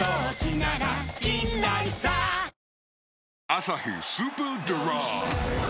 「アサヒスーパードライ」